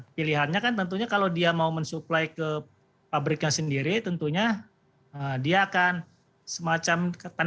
pilihannya kan tentunya kalau dia mau mensupply ke pabriknya sendiri tentunya dia akan semacam tanda petik kehilangan keuntungan